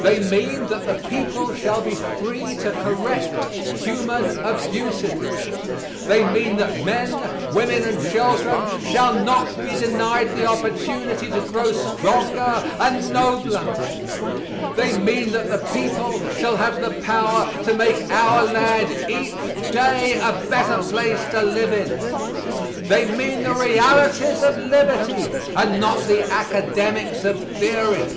They mean that the people shall be free to correct human abuses. They mean that men, women and children shall not be denied the opportunity to grow stronger and nobler. They mean that the people shall have the power to make our land each day a better place to live in. They mean the realities of liberty and not the academics of theory.